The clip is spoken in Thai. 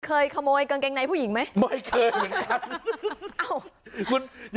เคยขโมยกางเกงในผู้หญิงไหมไม่เคยเห็นครับ